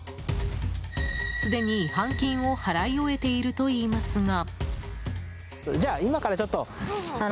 すでに、違反金を払い終えているといいますが。